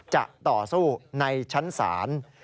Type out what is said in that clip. จะต่อสู้ในชั้นศาล